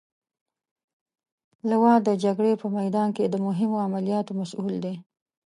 لوا د جګړې په میدان کې د مهمو عملیاتو مسئول دی.